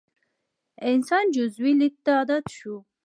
انسان جزوي لید ته عادت شو.